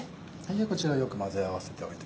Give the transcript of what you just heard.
こちらよく混ぜ合わせておいて。